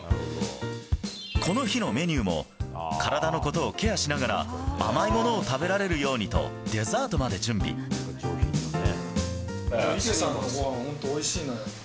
この日のメニューも、体のことをケアしながら、甘いものを食べられるようにとデザート池さんのごはん、本当におい